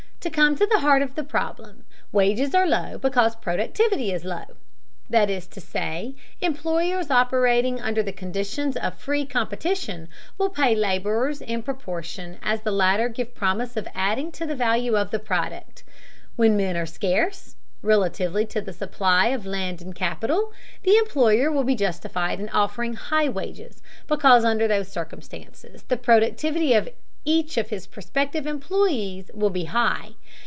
To come to the heart of the problem, wages are low because productivity is low. That is to say, employers operating under conditions of free competition will pay laborers in proportion as the latter give promise of adding to the value of the product. When men are scarce, relatively to the supply of land and capital, the employer will be justified in offering high wages, because under those circumstances the productivity of each of his prospective employees will be high.